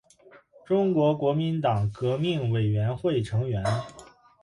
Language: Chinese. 中国国民党革命委员会成员。